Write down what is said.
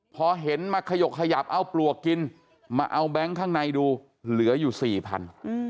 พอเห็นมาขยกขยับเอาปลวกกินมาเอาแบงค์ข้างในดูเหลืออยู่สี่พัน